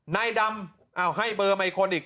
ไหนดำอ้าวให้เบอร์มายคนอีก